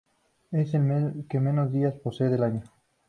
Es el mes que menos días posee del año.